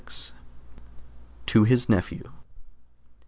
426. TO HIS NEPHEW.